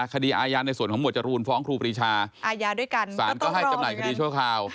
พอรอคดีอายาในส่วนของหมวดจรูนฟ้องครูปรีชาศาลก็ให้จำหน่ายคดีชั่วคราว